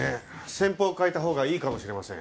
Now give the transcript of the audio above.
戦法を変えたほうがいいかもしれません。